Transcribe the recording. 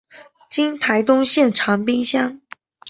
今台东县长滨乡。